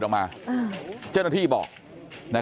กลุ่มตัวเชียงใหม่